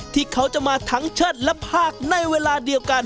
ที่เขาจะมาทั้งเชิดและภาคในเวลาเดียวกัน